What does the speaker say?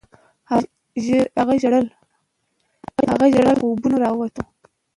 هغه ژر له خوبونو راووت.